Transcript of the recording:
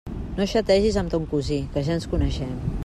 No xategis amb ton cosí, que ja ens coneixem!